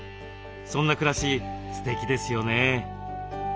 そんな暮らしすてきですよね。